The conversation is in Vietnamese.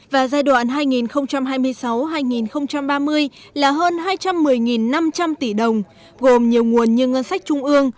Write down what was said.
và giai đoạn hai nghìn hai mươi sáu hai nghìn ba mươi là hơn hai trăm một mươi năm trăm linh tỷ đồng gồm nhiều nguồn như ngân sách trung ương